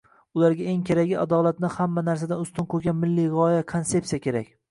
ularga eng keraki – adolatni hamma narsadan ustin qo‘ygan milliy g‘oya - konsepsiya kerak.